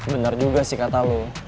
bener juga sih kata lo